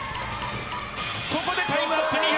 ここでタイムアップ